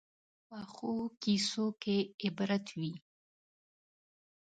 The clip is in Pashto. پخو کیسو کې عبرت وي